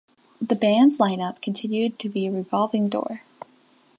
The band's lineup continued to be a revolving door.